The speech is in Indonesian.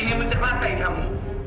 ini yang menyebabkan kamu